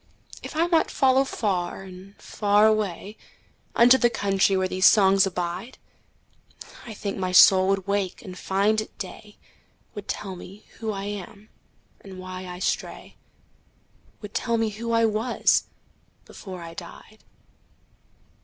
If I might follow far and far awayUnto the country where these songs abide,I think my soul would wake and find it day, Would tell me who I am, and why I stray,—Would tell me who I was before I died.